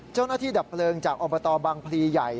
เจ้าหน้าที่ดับเปลืองจากอบตบังพลีใหญ่